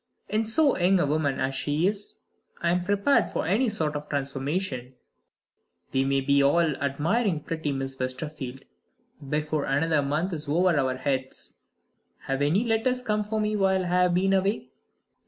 In so young a woman as she is, I am prepared for any sort of transformation. We may be all admiring pretty Miss Westerfield before another month is over our heads. Have any letters come for me while I have been away?"